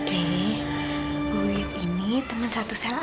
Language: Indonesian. ndre bu wiwit ini teman satu sel aku